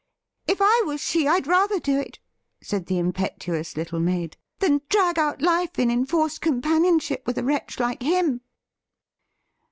' If I were she, I'd rather do it,' said the impetuous little maid, ' than drag out life in enforced companionship with a wretch like him.'